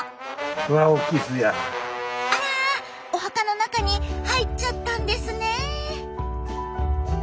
あらお墓の中に入っちゃったんですねえ。